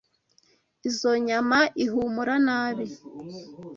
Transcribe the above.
Izoi nyama ihumura nabi.